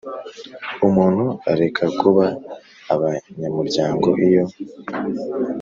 Umuntu areka kuba abanyamuryango iyo